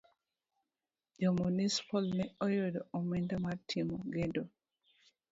Jo munispol ne oyudo omenda mar timo gedo.